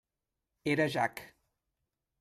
Era Jack.